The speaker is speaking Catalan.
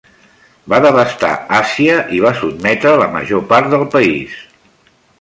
Va devastar Àsia i va sotmetre la major part del país.